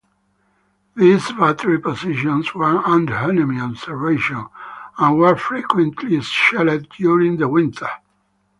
These battery positions were under enemy observation and were frequently shelled during the winter.